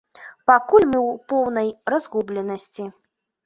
Пакуль мы ў поўнай разгубленасці.